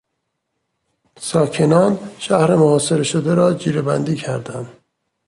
ساکنان شهر محاصره شده را جیرهبندی کردن